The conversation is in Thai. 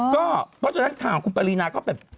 เพราะฉะนั้นคุณปารีนาส์ก็แบบ